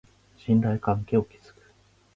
信頼関係を築く